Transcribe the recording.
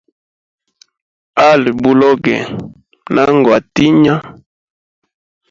Ali buloge na ngwa tinya.